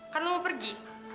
kan lo mau pergi